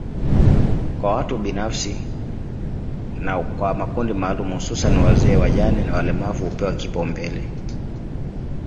kwa watu binafsi na kwa makundi maalumu hususani wazee wajane na walemavu hupewa kipaumbele